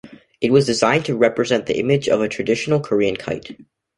It was designed to represent the image of a traditional Korean kite.